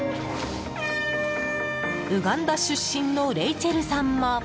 ウガンダ出身のレイチェルさんも。